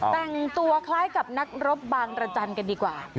แต่งตัวคล้ายกับนักรบบางรจันทร์กันดีกว่า